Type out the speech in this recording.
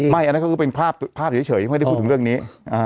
อันนั้นก็คือเป็นภาพเฉยไม่ได้พูดถึงเรื่องนี้